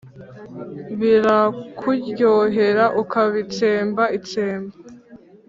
Birakuryohera ukabitsemba, tsemba